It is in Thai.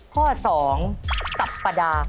ข้อสองสัปดาห์